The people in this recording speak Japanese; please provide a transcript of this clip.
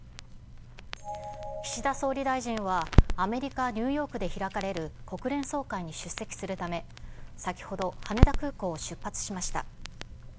岸田総理大臣は、アメリカ・ニューヨークで開かれる国連総会に出席するため、先ほど、羽田空港を出発しました。